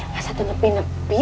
masa tuh nepi nepi